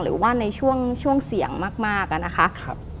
หรือว่าในช่วงเสี่ยงมากนะคะ